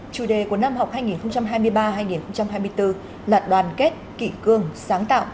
chủ đề của năm học hai nghìn hai mươi ba hai nghìn hai mươi bốn là đoàn kết kỷ cương sáng tạo